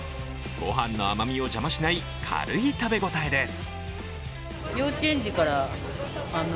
ご飯の甘みを邪魔しない軽い食べ応えです。